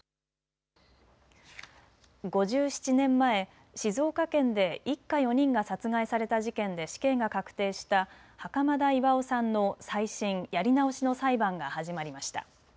５７年前、静岡県で一家４人が殺害された事件で死刑が確定した袴田巌さんの再審・やり直しの裁判が始まりました。